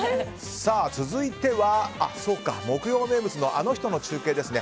続いては、木曜名物のあの人の中継ですね。